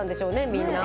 みんな。